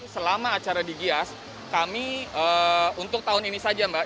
selama acara di gias kami untuk tahun ini saja mbak